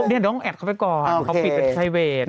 เดี๋ยวต้องแอดเขาไปก่อนเขาปิดเป็นไซเวท